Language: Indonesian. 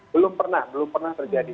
belum pernah belum pernah terjadi